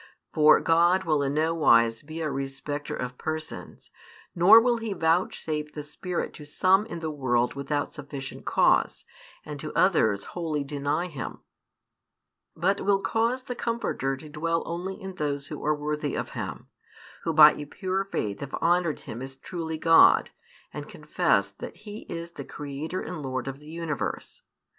For God will in nowise be a respecter of persons, nor will He vouchsafe the Spirit to some in the world without sufficient cause, and to others wholly deny Him; but will cause the Comforter to dwell only in those who are worthy of Him, who by a pure faith have honoured Him as truly God, and confessed that He is the Creator and Lord of the Universe.